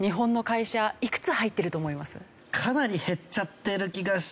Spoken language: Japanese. かなり減っちゃってる気がして。